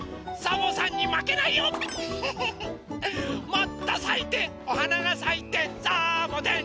もっとさいておはながさいてサーボテン。